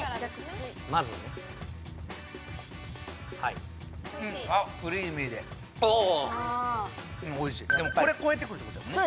まずねおいしいでもこれ超えてくるってことやもんね